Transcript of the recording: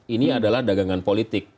ini adalah dagangan politik